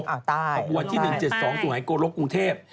ขบวนที่๑๗๒สุหายโกลกกรุงเทพ